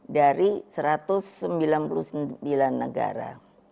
dari satu ratus sembilan puluh sembilan negara